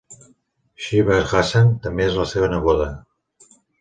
Sheeba Hasan també és la seva neboda.